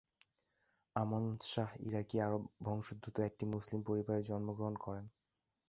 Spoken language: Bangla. আমানত শাহ ইরাকি আরব বংশোদ্ভূত একটি মুসলিম পরিবারে জন্মগ্রহণ করেন।